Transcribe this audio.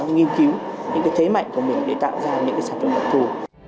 nghiên cứu những cái thế mạnh của mình để tạo ra những sản phẩm đặc thù